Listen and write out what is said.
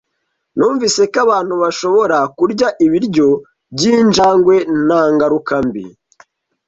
Numvise ko abantu bashobora kurya ibiryo byinjangwe nta ngaruka mbi.